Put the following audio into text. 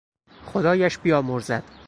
خدایش بیامرزد!